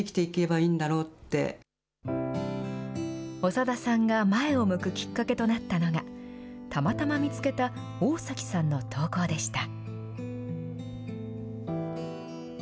長田さんが前を向くきっかけとなったのが、たまたま見つけた大崎さんの投稿でした。